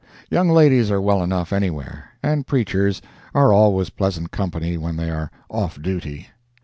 Young ladies are well enough anywhere, and preachers are always pleasant company when they are off duty.